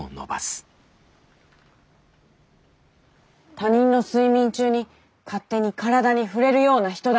他人の睡眠中に勝手に体に触れるような人だったとは。